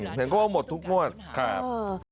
ค่ะถึงก็หมดทุกงวดครับ